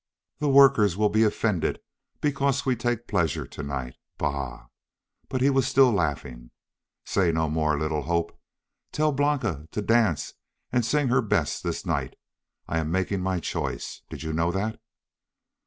"the workers will be offended because we take pleasure to night. Bah!" But he was still laughing. "Say no more, little Hope. Tell Blanca to dance and sing her best this night. I am making my choice. Did you know that?"